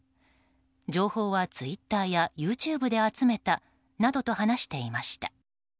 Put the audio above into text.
情報はツイッターやＹｏｕＴｕｂｅで集めたなどと話していました。